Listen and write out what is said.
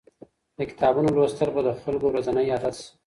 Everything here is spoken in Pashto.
د کتابونو لوستل به د خلګو ورځنی عادت سي.